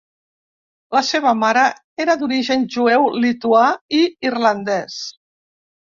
La seva mare era d'origen jueu lituà i irlandès.